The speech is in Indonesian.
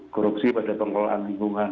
korupsi pada pengelolaan lingkungan